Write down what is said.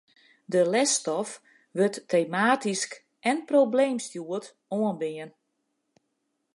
De lesstof wurdt tematysk en probleemstjoerd oanbean.